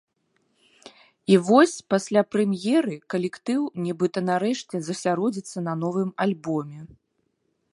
І вось пасля прэм'еры калектыў нібыта нарэшце засяродзіцца на новым альбоме.